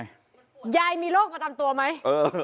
ยายมีโรคประจำตัวไหม